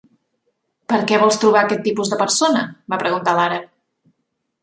"Per què vols trobar aquest tipus de persona?", va preguntar l'àrab.